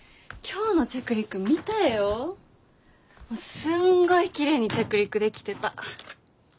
すんごいきれいに着陸できてた。